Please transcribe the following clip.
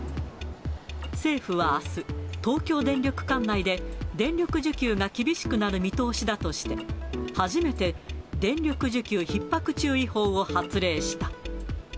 政府は、あす、東京電力管内で電力需給が厳しくなる見通しだとして、初めて電力需給ひっ迫注意報を発令した。